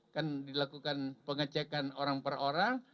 kan dilakukan pengecekan orang per orang